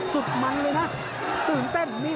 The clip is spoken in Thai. ติดตามยังน้อยกว่า